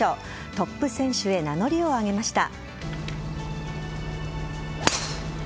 トップ選手へ名乗りをあげました。